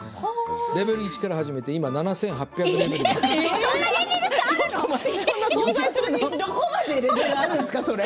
レベル１から始めて今７８００ぐらいです。